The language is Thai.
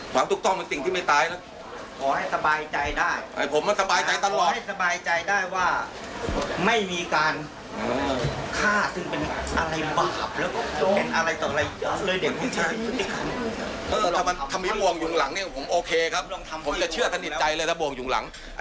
พระการณ์